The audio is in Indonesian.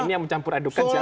ini yang mencampur adukan